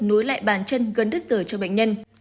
nối lại bàn chân gân đất rời cho bệnh nhân